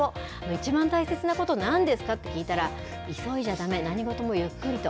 一番大切なことなんですかって聞いたら、いそいじゃだめ、何事もゆっくりと。